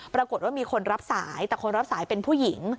ปรากฏว่ามีคนรับสายแต่คนรับสายเป็นผู้หญิง